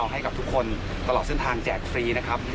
ให้กับทุกคนตลอดเส้นทางแจกฟรีนะครับ